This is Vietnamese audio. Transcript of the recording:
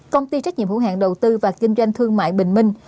công ty trách nhiệm hữu hạn đầu tư và kinh doanh thương mại bình minh